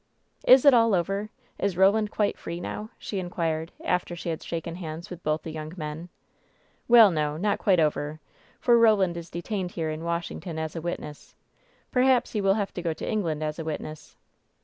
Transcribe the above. "Is it all over ? Is Roland quite free now ?" she in quired, after she had shaken hands with both the young men. "Well, no, not quite over, for Roland is detained here in Washington as a witness. Perhaps he will have to go WHEN SHADOWS DDE 265 to England as a witness.